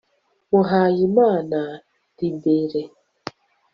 muhayimana libérée